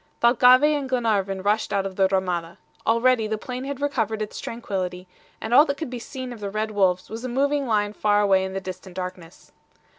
Thalcave and Glenarvan rushed out of the RAMADA. Already the plain had recovered its tranquillity, and all that could be seen of the red wolves was a moving line far away in the distant darkness.